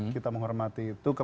kita menghormati itu